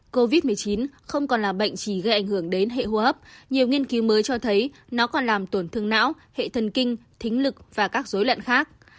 covid một mươi chín không còn là bệnh chỉ gây ảnh hưởng đến hệ hô hấp nhiều nghiên cứu mới cho thấy nó còn làm tổn thương não hệ thần kinh lực và các dối loạn khác